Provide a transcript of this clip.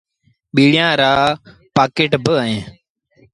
ٻيٚڙيآن رآ پآڪيٽ با اهيݩ۔